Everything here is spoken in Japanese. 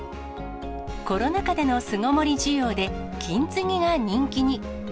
コロナ禍での巣ごもり需要で、金継ぎが人気に。